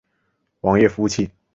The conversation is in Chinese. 网页服务器。